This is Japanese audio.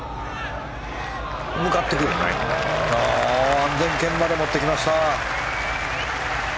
安全圏まで持ってきました。